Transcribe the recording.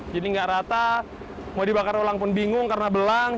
jadi nggak rata mau dibakar ulang pun bingung karena belang